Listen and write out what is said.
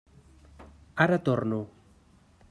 Ara torno.